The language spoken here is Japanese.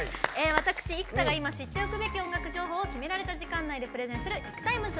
私、生田が今、知っておくべき音楽情報を決められた時間内でプレゼンする「ＩＫＵＴＩＭＥＳ」。